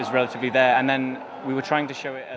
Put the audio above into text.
về cái phần đó